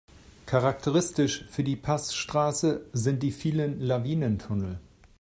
Charakteristisch für die Passstraße sind die vielen Lawinentunnel.